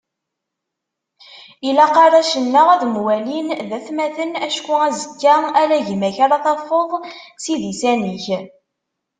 Ilaq arrac-nneɣ ad mwalin d atmaten, acku azekka ala gma-k ara tafeḍ s idisan-ik